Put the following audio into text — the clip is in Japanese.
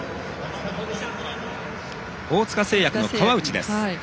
大塚製薬の川内です。